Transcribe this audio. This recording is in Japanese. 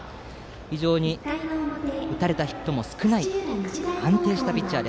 非常に打たれたヒットも少ない安定したピッチャー。